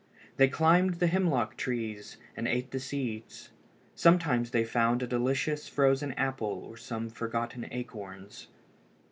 They climbed the hemlock trees and ate the seeds. Sometimes they found a delicious frozen apple or some forgotten acorns.